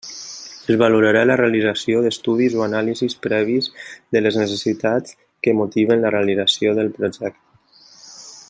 Es valorarà la realització d'estudis o anàlisis previs de les necessitats que motiven la realització del projecte.